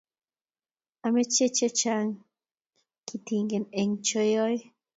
ameche chechang' kitegen eng' choe